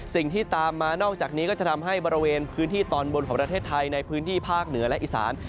สิ่งที่ตามมานอกจากนี้ก็จะทำให้บริเวณพื้นที่ตอนบนของประเทศไทยในพื้นที่ภาคเหนือและอีสาน